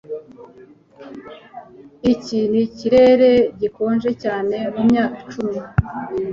Iki nikirere gikonje cyane mumyaka icumi